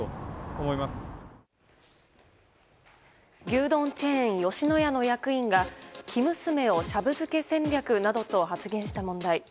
牛丼チェーン、吉野家の役員が生娘をシャブ漬け戦略などと発言した問題。